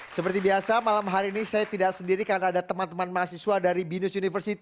seperti biasa malam hari ini saya tidak sendiri karena ada teman teman mahasiswa dari binus university